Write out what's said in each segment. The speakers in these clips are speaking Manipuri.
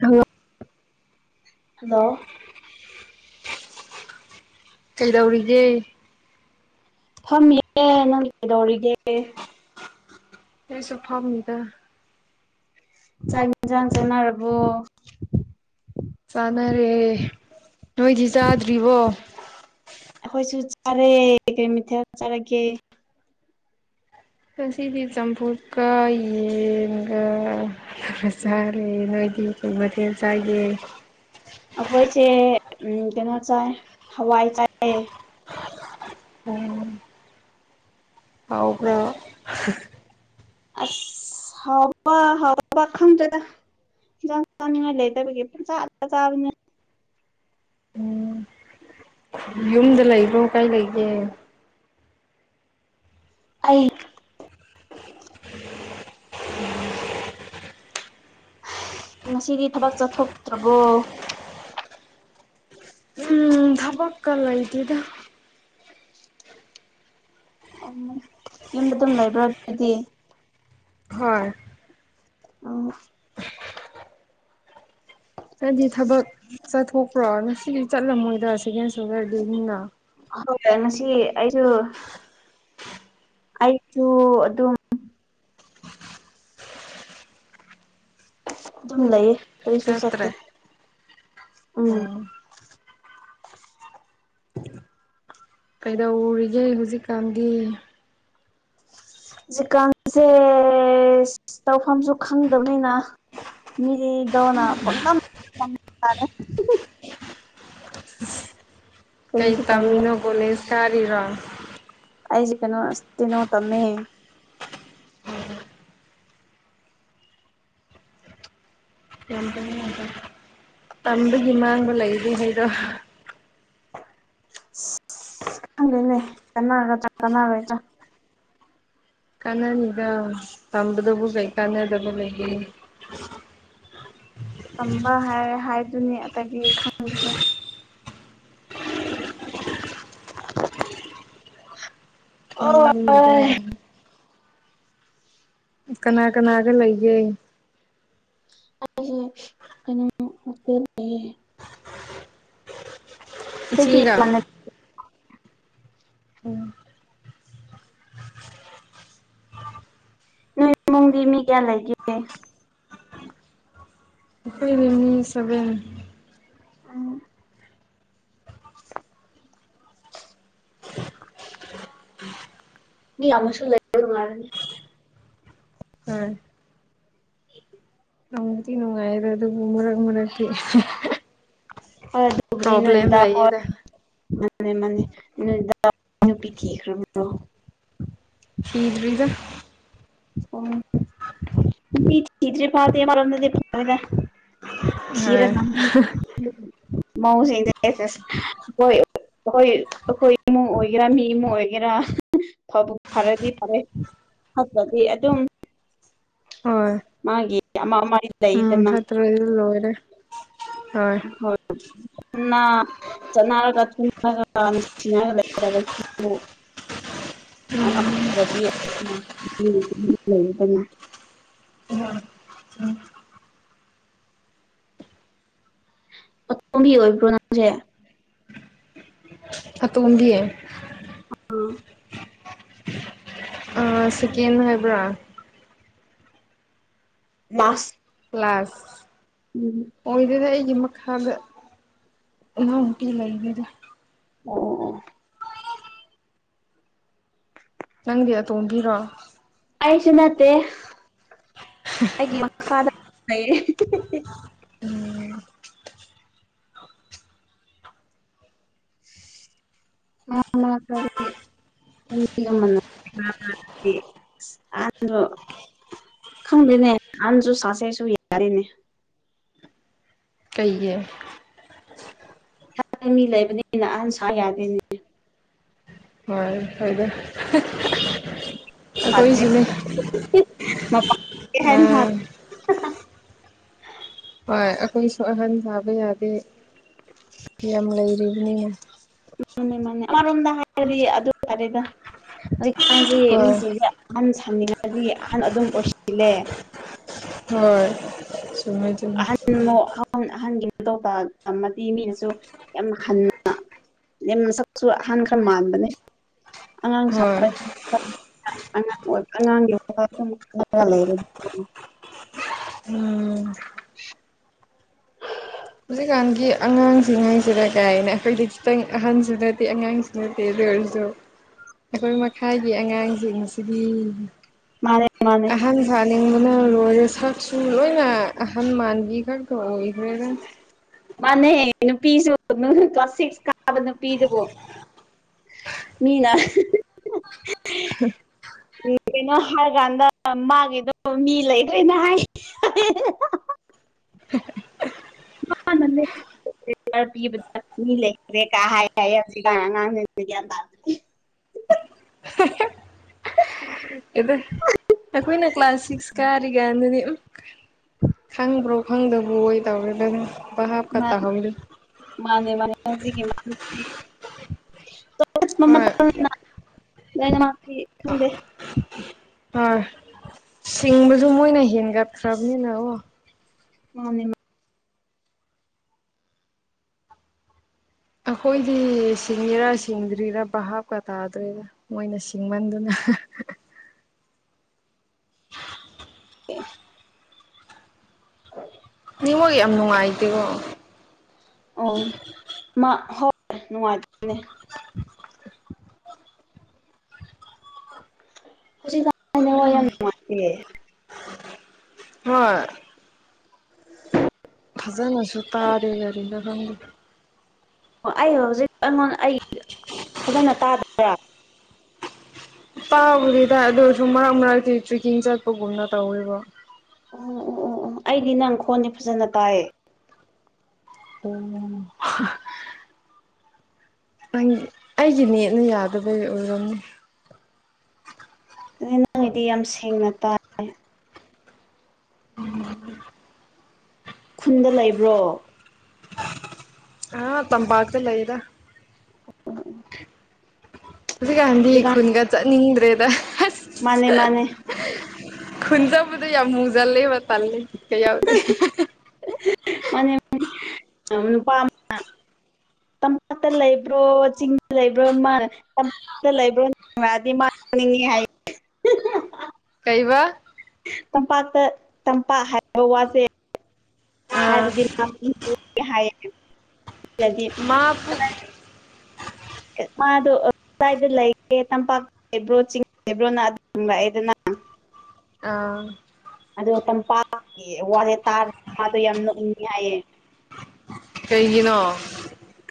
ꯍꯉꯛ ꯍꯜꯂꯣ ꯀꯩꯗꯧꯔꯤꯒꯦ ꯐꯝꯃꯤꯑꯦ ꯅꯪꯗꯤ ꯀꯩꯗꯧꯔꯤꯒꯦ ꯑꯩꯁꯨ ꯐꯝꯃꯤꯗ ꯆꯥꯛ ꯏꯟꯖꯥꯡ ꯆꯥꯅꯔꯕꯣ ꯆꯥꯅꯔꯦ ꯅꯣꯏꯗꯤ ꯆꯥꯗ꯭ꯔꯤꯕꯣ ꯑꯩꯈꯣꯏꯁꯨ ꯆꯥꯔꯦ ꯀꯔꯤ ꯀꯔꯤ ꯃꯊꯦꯜ ꯆꯥꯔꯒꯦ ꯉꯁꯤꯒꯤ ꯆꯝꯐꯨꯠꯀ ꯌꯦꯟꯒ ꯆꯥꯔꯦ ꯅꯣꯏꯗꯤ ꯀꯔꯤ ꯃꯊꯦꯜ ꯆꯥꯏꯒꯦ ꯑꯈꯣꯏꯁꯦ ꯎꯝ ꯀꯩꯅꯣ ꯆꯥꯏ ꯍꯋꯥꯏ ꯆꯥꯏ ꯑꯣ ꯍꯥꯎꯕ꯭ꯔꯣ ꯑꯁ ꯍꯥꯎꯕ ꯍꯥꯎꯗꯕ ꯈꯪꯗꯔꯦꯗ ꯍꯤꯟꯖꯥꯡ ꯆꯥꯅꯤꯡꯉꯥꯏ ꯂꯩꯇꯕꯒꯤ ꯄꯨꯡꯆꯥꯗ ꯆꯥꯕꯅꯦ ꯌꯨꯝꯗ ꯂꯩꯕ꯭ꯔꯣ ꯀꯥꯏ ꯂꯩꯒꯦ ꯑꯩ [inaudible] ꯉꯁꯤꯗꯤ ꯊꯕꯛ ꯆꯠꯊꯣꯛꯇ꯭ꯔꯕꯣ ꯎꯝ ꯊꯕꯛꯀ ꯂꯩꯇꯦꯗ ꯑꯝꯃꯣ ꯌꯨꯝꯗ ꯑꯗꯨꯝ ꯂꯩꯕ꯭ꯔꯥ ꯑꯗꯨꯗꯤ ꯍꯣꯏ ꯑꯣ ꯅꯪꯗꯤ ꯊꯕꯛ ꯆꯠꯊꯣꯛꯄ꯭ꯔꯣ ꯉꯁꯤꯗꯤ ꯆꯠꯂꯝꯃꯣꯏꯗ ꯁꯦꯀꯦꯟ ꯁꯒꯔꯗꯦꯅꯤꯅ ꯍꯪꯗꯦ ꯉꯁꯤ ꯑꯩꯖꯨ ꯑꯩꯁꯨ ꯑꯗꯨꯝ ꯑꯗꯨꯝ ꯂꯩꯌꯦ ꯀꯔꯤꯁꯨ ꯆꯠꯇꯦ ꯆꯠꯇ꯭ꯔꯦ ꯎꯝ ꯑꯣ ꯀꯩꯗꯧꯔꯤꯒꯦ ꯍꯧꯖꯤꯛꯀꯥꯟꯗꯤ ꯖꯤꯀꯥꯟꯁꯦ ꯇꯧꯐꯝꯁꯨ ꯈꯪꯗꯕꯅꯤꯅ ꯃꯤꯗꯤ ꯗꯣꯅ ꯄꯪꯇꯝ ꯇꯝꯅꯔꯦ ꯀꯩ ꯀꯔꯤꯁꯨ ꯇꯧꯅꯤꯡꯉꯦ ꯇꯝꯃꯤꯅꯣ ꯀꯣꯂꯦꯁ ꯀꯥꯔꯤꯔꯣ ꯑꯩꯖꯤ ꯀꯩꯅꯣ ꯑꯁꯇꯤꯅꯣ ꯇꯝꯃꯦ ꯌꯥꯝ ꯐꯪꯌꯦ ꯌꯥꯝ ꯐꯩ ꯇꯝꯕꯒꯤ ꯃꯥꯡꯕ ꯂꯩꯔꯦ ꯍꯥꯏꯗꯣ ꯏꯁ ꯈꯪꯗꯦꯅꯦ ꯀꯅꯥꯒꯗ꯭ꯔ ꯀꯅꯥꯔꫭꯏꯗ꯭ꯔ ꯀꯥꯟꯅꯅꯤꯗ ꯇꯝꯕꯗꯕꯨ ꯀꯩ ꯀꯥꯟꯅꯗꯕ ꯂꯩꯩꯒꯦ ꯇꯝꯕ ꯍꯥꯏꯔꯦ ꯍꯥꯏꯗꯨꯅꯤ ꯑꯇꯩꯗꯤ ꯈꯪꯗꯦꯍꯦ [unintelligible] ꯀꯣꯡ ꯑꯣ ꯉꯝꯃꯤꯗ ꯑꯩꯁꯦ ꯀꯅꯥ ꯀꯅꯥꯒ ꯂꯩꯒꯦ ꯑꯩꯁꯦ ꯀꯩꯅꯣ ꯍꯣꯁꯇꯦꯜ ꯂꯩꯌꯦ ꯑꯇꯩꯗꯤ ꯏꯆꯦꯒ ꯏꯃꯥꯟꯅꯕꯤ ꯎꯝ ꯅꯣꯏ ꯏꯃꯨꯡꯗꯤ ꯃꯤ ꯀꯌꯥ ꯂꯩꯒꯦ ꯈꯣꯏꯔꯃꯤ ꯁꯕꯦꯟ ꯃꯤ ꯑꯃ ꯑꯃꯁꯁꯨ ꯂꯩ ꯃꯥꯅꯤ [unintelligible] ꯅꯪꯗꯤ ꯅꯨꯡꯉꯥꯏꯔꯣ ꯑꯗꯨꯕꯨ ꯃꯔꯛ ꯃꯔꯛꯇꯤ ꯑꯣ ꯗꯕꯔꯤꯅꯗ ꯂꯩꯌꯦꯗ ꯃꯥꯅꯦ ꯃꯥꯅꯦ ꯅꯨꯄꯤꯤꯊ ꯔꯣ ꯏꯗ꯭ꯔꯤꯗ ꯎ ꯊꯤꯗ꯭ꯔꯦ ꯐꯔꯗꯤ ꯍꯗ ꯆꯔ ꯍꯣꯏ ꯃꯧꯁ [unintelligible] ꯑꯩꯈꯣꯏ ꯑꯩꯈꯣꯏ ꯏꯃꯨꯡ ꯑꯣꯏꯒꯦꯔꯥ ꯃꯤꯏꯃꯨꯡ ꯑꯣꯏꯒꯦꯔꯥ ꯐꯕꯨ ꯐꯔꯗꯤ ꯐꯔꯦ ꯗꯤ ꯑꯗꯨꯝ ꯍꯣꯏ ꯃꯥꯒꯤ ꯑꯃ ꯑꯃꯒꯤ ꯂꯩꯗꯅ ꯂꯅꯦ ꯍꯣꯏ ꯟꯅ ꯆꯠꯅꯔꯒ ꯊꯉꯒ ꯅꯨꯡꯁꯤꯅꯒꯔ [unintelligible] ꯑꯇꯣꯝꯒꯤ ꯑꯣꯏꯕ꯭ꯔꯣ ꯅꯪꯁꯦ ꯑ ꯇꯣꯕꯤꯌꯦ ꯑ ꯁꯤꯀꯤꯦꯟ ꯍꯥꯏꯕ꯭ꯔꯥ [unintelligible] ꯀ꯭ꯂꯥꯁ [unintelligible] ꯑꯣꯏꯗꯣꯏꯗ ꯑꯩꯒꯤ ꯃꯈꯥꯗ ꯏꯅꯥꯎꯨꯄꯤ ꯂꯩꯔꯤꯗ [unintelligible] ꯅꯪꯗꯤ ꯑꯇꯣꯡꯕꯤꯔꯣ ꯑꯩꯁꯨ ꯅꯠꯇꯦ ꯑꯩꯒꯤ ꯃꯈꯥꯗ ꯂꯩꯑ ꯑ ꯀꯔꯦ [unintelligible] ꯈꯪꯗ꯭ꯔꯦꯅꯦ ꯅꯍꯥꯟꯁꯨ ꯁꯥꯁꯩꯁꯨ ꯌꯥꯔꯤꯅꯦ ꯀꯩꯚꯤ ꯊꯥꯗ ꯃꯤ ꯂꯩꯕꯅꯤꯅ ꯑꯍꯟ ꯁꯥ ꯌꯥꯗꯦꯅꯦ ꯍꯣꯏ ꯐꯣꯏꯗꯦ ꯁꯥꯗ꯭ꯔꯦ ꯑꯩꯈꯣꯏꯁꯨꯅꯦ ꯑꯥ [unintelligible] ꯍꯣꯏ ꯑꯩꯈꯣꯏꯁꯨ ꯑꯍꯟ ꯁꯥꯕ ꯌꯥꯗꯦ ꯌꯥꯝ ꯂꯩꯔꯤꯕꯅꯤꯅ ꯃꯥꯅꯦ ꯃꯥꯅꯦ ꯑꯃꯔꯣꯝꯗ ꯍꯥꯏꯔꯗꯤ ꯑꯗꯨ ꯇꯔꯦꯗ ꯍꯧꯖꯤꯛꯀꯥꯟꯁꯤ ꯍꯣꯏ ꯃꯤꯁꯤꯡꯁꯦ ꯑꯍꯟ ꯁꯥꯅꯤꯡꯉꯅꯤ ꯑꯍꯟ ꯑꯗꯨꯝ ꯑꯣꯏꯁꯤꯜꯂꯦ ꯍꯣꯏ ꯆꯨꯝꯃꯦ ꯆꯨꯝꯃꯦ ꯑꯍꯟ ꯑ ꯑꯍꯟꯒꯤ ꯃꯇꯧ ꯑꯃꯗꯤ ꯃꯤꯅꯁꯨ ꯌꯥꯝ ꯍꯟꯅ ꯃꯁꯛꯁꯨ ꯑꯍꯥꯟꯕ ꯈꯔ ꯃꯥꯟꯕꯅꯦ ꯑꯉꯥꯡ ꯍꯣꯏ ꯁꯥꯄ [unintelligible] ꯎꯝ [unintelligible] ꯍꯧꯖꯤꯛꯀꯥꯟꯒꯤ ꯑꯉꯥꯡꯁꯤꯡ ꯍꯥꯏꯁꯤꯔ ꯀꯥꯏꯅ ꯑꯩꯈꯣꯏꯗꯤ ꯈꯤꯇꯪ ꯑꯍꯟꯁꯨ ꯅꯠꯇꯦ ꯑꯉꯥꯡꯁꯨ ꯅꯠꯇꯦ ꯑꯗꯨ ꯑꯣꯏꯔꯁꯨ ꯑꯩꯈꯣꯏ ꯃꯈꯥꯒꯤ ꯑꯉꯥꯡꯁꯤꯡꯁꯤꯒꯤ ꯃꯥꯅꯦꯦ ꯑꯍꯪ ꯊꯥꯅꯤꯡꯕꯅ ꯂꯣꯏꯔꯦ ꯁꯥꯛꯁꯨ ꯂꯣꯏꯅ ꯑꯍꯟ ꯃꯥꯟꯕꯤ ꯈꯛꯇ ꯑꯣꯏꯈ꯭ꯔꯦꯗ ꯃꯥꯅꯦ ꯅꯨꯄꯤꯁꯨ ꯀ꯭ꯂꯥꯁ ꯁꯤꯛꯁ ꯀꯥꯕ ꯅꯨꯄꯤꯗꯨꯕꯨꯣ ꯃꯤꯅ ꯎꯝ ꯀꯩꯅꯣ ꯍꯥꯏꯔꯀꯥꯟꯗ ꯃꯥꯒꯤꯗꯣ ꯃꯤ ꯂꯩꯈ꯭ꯔꯦꯅ ꯍꯥꯏ [inaudible] ꯑ ꯅꯦ [inaudible] ꯂꯩꯦ ꯀꯥ ꯍꯥꯏ ꯉ [inaudible] ꯑꯦꯗ ꯑꯩꯈꯣꯏꯅ ꯀ꯭ꯂꯥꯁ ꯁꯤꯛꯁ ꯀꯥꯔꯤꯒꯥꯟꯗꯗꯤ ꯈꯪꯕ꯭ꯔꯣ ꯈꯪꯗꯕꯔꯣ ꯄꯥꯞꯒ ꯃꯥꯅꯦ ꯇꯥꯍꯧꯗꯦ ꯃꯥꯅꯦ ꯃꯥꯅꯦ ꯍꯧꯖꯤꯒꯦ ꯃꯥ ꯃꯃ ꯍꯣꯏ [inaudible] ꯂꯣꯢꯅꯃꯛꯇꯤ ꯈꯪꯗꯦ ꯑꯣꯏ ꯁꯤꯡꯕꯁꯨ ꯃꯣꯏꯅ ꯍꯦꯟꯒꯠꯈ꯭ꯔꯕꯅꯤꯅ ꯑꯣ ꯃꯥꯅꯦ ꯑꯩꯈꯣꯏꯗꯤ ꯁꯤꯡꯉꯤꯔꯥ ꯁꯤꯡꯗ꯭ꯔꯤꯔꯥ ꯚꯥꯞꯀ ꯇꯥꯗ꯭ꯔꯦꯗ ꯃꯣꯏꯅ ꯁꯤꯡꯃꯟꯗꯅ [unintelligible] ꯅꯦꯠꯋꯥꯛ ꯌꯥꯝ ꯅꯨꯡꯉꯥꯏꯇꯦꯀꯣ ꯑꯣ ꯃꯥ ꯍꯣꯏꯣꯏ ꯅꯨꯡꯉꯥꯏꯇꯝꯅꯦ [inaudible] ꯍꯧꯖꯤꯛꯒꯥꯟ ꯍꯣꯏ ꯐꯖꯅꯁꯨ ꯇꯥꯗꯦ ꯀꯔꯤꯔ ꯈꯪꯗꯦ ꯑꯣ ꯑꯩ ꯍꯧꯖꯤꯛ ꯑꯩꯉꯣꯟ ꯑꯩ ꯐꯖꯅ ꯇꯥꯗꯕꯔꯥ ꯇꯥꯕꯨꯗꯤ ꯇꯥꯢ ꯑꯗꯨ ꯑꯣꯏꯁꯨ ꯃꯔꯛ ꯃꯔꯛꯀꯤ ꯇ꯭ꯔꯦꯛꯀꯤꯡ ꯆꯠꯄꯒꯨꯝꯅ ꯇꯧꯋꯕꯣ ꯎ ꯎ ꯑꯣ ꯎ ꯑꯩꯗꯤ ꯅꯪ ꯈꯣꯟꯗꯤ ꯐꯖꯅ ꯇꯥꯏꯌꯦ ꯑꯣ ꯅꯪ ꯑꯩꯒꯤ ꯅꯦꯠꯅ ꯌꯥꯗꯕꯒꯤ ꯑꯣꯏꯔꯝꯅꯤ ꯅꯪꯒꯤꯗꯤ ꯌꯥꯝ ꯁꯦꯡꯅ ꯇꯥꯏ ꯈꯨꯟꯗ ꯂꯩꯕ꯭ꯔꯣ ꯑꯥ ꯇꯝꯕꯥꯛꯇ ꯂꯩꯗ ꯍꯧꯖꯤꯛꯀꯥꯟꯗꯤ ꯍꯧꯖꯤꯛꯀꯥꯟ ꯈꯨꯟꯒ ꯆꯠꯅꯤꯡꯗ꯭ꯔꯦꯗ ꯑꯁ ꯃꯥꯅꯦ ꯃꯥꯅꯦ ꯈꯨꯟꯆꯠꯄꯗꯣ ꯌꯥꯝ ꯃꯨꯖꯜꯂꯦ ꯋꯥ ꯇꯜꯂꯦ ꯀꯩꯌꯥ ꯌꯥꯎꯗꯦ ꯃꯥꯅꯦ ꯅꯨꯄꯥ ꯑꯃ [inaudible] ꯇꯝꯄꯥꯛꯇ ꯂꯩꯕ꯭ꯔꯣ ꯆꯤꯡꯗ ꯂꯩꯕ꯭ꯔꯣ ꯃꯥꯅ [unintelligible] ꯀꯩꯕ ꯇꯝꯄꯥꯛꯇ ꯇꯝꯄꯥꯛ ꯍꯥꯏꯕ ꯋꯥꯁꯦ ꯑꯥ ꯍꯥꯏꯔꯗꯤ ꯍꯥꯏꯌꯦ [inaudible] ꯃꯥꯕꯨ ꯃꯥꯗꯣ ꯁꯏꯗ ꯂꯩꯒꯦ ꯇꯝꯄꯥꯛ ꯂꯩꯕ꯭ꯔꯣ ꯆꯤꯡ ꯂꯩꯕ꯭ꯔꯣꯅ ꯑꯗꯨꯝ ꯍꯪꯂꯛꯑꯦꯗꯅ ꯑꯥ ꯑꯗꯣ ꯇꯝꯄꯥꯛꯀꯤ ꯋꯥꯔꯦ ꯇꯥꯔꯒ ꯃꯥꯗꯣ ꯌꯥꯝ ꯅꫭꯛꯅꯤꯡꯉꯦ ꯍꯥꯏꯌꯦ ꯀꯩꯒꯤꯅꯣ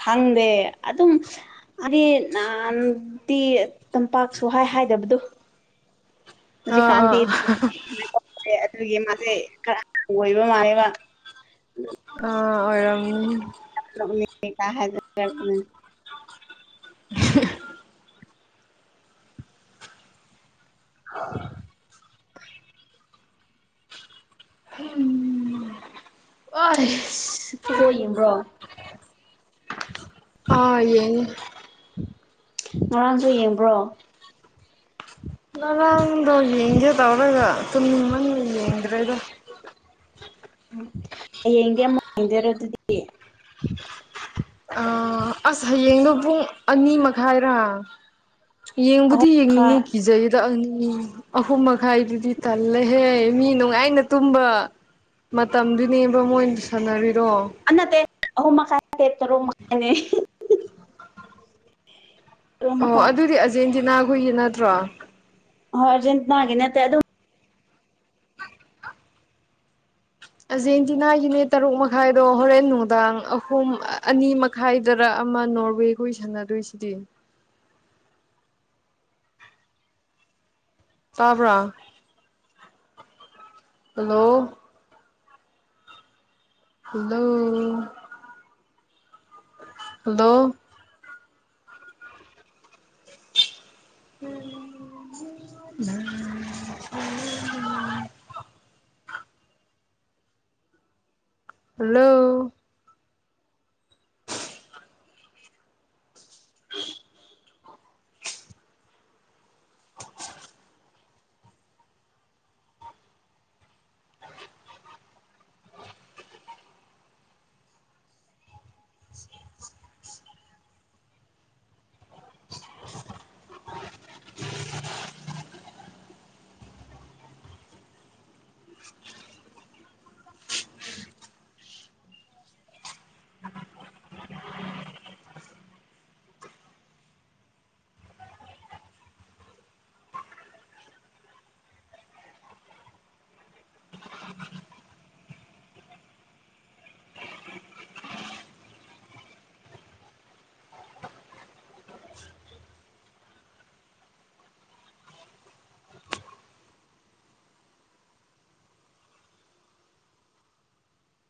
ꯈꯪꯗꯦ ꯑꯗꯨꯝ ꯑꯔꯤ ꯅꯍꯥꯅꯇꯤ [inaudible] ꯇꯝꯄꯥꯛ ꯁꯨꯍꯥꯏ ꯍꯥꯏꯗꯕꯗꯨ ꯑꯥ ꯑꯥ ꯍꯧꯖꯤꯛꯀꯥꯟꯗꯤ ꯑꯗꯨꯒꯤ ꯃꯥꯁꯦ ꯈꯔ ꯑꯣꯏꯕ ꯃꯥꯜꯂꯦꯕ ꯑ ꯑꯣꯏꯔꯝꯅꯤ ꯀ ꯍꯥꯏ [inaudible] [unintelligible] ꯍ [unintelligible] ꯎꯝ ꯐꯨꯠꯕꯣꯜ ꯌꯦꯡꯕ꯭ꯔꯣ ꯑꯥ ꯌꯦꯡꯉꯤ ꯉꯔꯥꯡꯁꯨ ꯌꯦꯡꯕ꯭ꯔꯣ ꯉꯔꯥꯡꯗꯣ ꯌꯦꯡꯒꯦ ꯇꯧꯔꯒ ꯇꯨꯝꯅꯤꯡꯃꯟꯕꯒꯤ ꯌꯦꯡꯗ꯭ꯔꯦꯗ ꯍꯌꯦꯡꯗꯤ ꯌꯥꯝꯃꯨꯡꯗꯔꯣ ꯑꯗꯨꯗꯤ ꯑꯁ ꯍꯌꯦꯡꯗꯣ ꯄꯨꯡ ꯑꯅꯤ ꯃꯈꯥꯏꯔꯥ ꯑꯍꯨꯝ ꯌꯦꯡꯕꯨꯗꯤ ꯌꯦꯡꯅꯤꯡꯉ ꯃꯈꯥꯏ ꯀꯖꯥꯏꯌꯦ꯫ ꯗ ꯑꯅꯤ ꯑꯍꯨꯝ ꯃꯈꯥꯏꯗꯨꯗꯤ ꯇꯜꯂꯦꯍꯦ ꯃꯤ ꯅꯨꯡꯉꯥꯏꯅ ꯇꯨꯝꯕ ꯃꯇꯝꯗꯨꯅꯦꯕ ꯃꯣꯏ ꯁꯥꯟꯅꯔꯤꯗꯣ ꯑꯟꯅ ꯅꯠꯇꯦ ꯑꯍ ꯃꯈꯥꯏꯦ ꯇꯔꯣ ꯃꯈꯥꯏꯅꯦ꯫ ꯇꯔꯨꯛ ꯑꯣ ꯃꯈꯥꯏ ꯑꯗꯨꯗꯤ ꯑꯔꯖꯦꯟꯇꯤꯅꯥꯈꯣꯏꯒꯤ ꯅꯠꯇ꯭ꯔꯣ? ꯍꯔꯖꯦꯟꯠꯅꯅꯥꯒꯦꯅꯦꯠꯇꯦ ꯑꯗꯨꯝ ꯑꯥꯔꯖꯦꯟꯇꯤꯅꯥꯒꯤꯅꯦ ꯇꯔꯨꯛ ꯃꯈꯥꯏꯗꯣ ꯍꯣꯔꯦꯟ ꯅꯨꯡꯗꯥꯡ ꯑꯍꯨꯝ ꯑꯅꯤ ꯃꯛ ꯇꯥꯏꯗꯔ ꯑꯃ ꯅꯣꯔꯋꯦꯒ ꯁꯥꯟꯅꯗꯣꯏꯁꯤꯗꯤ꯫ ꯇꯥꯕ꯭ꯔꯥ ꯍꯜꯂꯣ ꯍꯜꯂꯣ ꯍꯜꯂꯣ [inaudible] ꯍꯜꯂꯣ